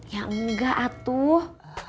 ya enggak tuh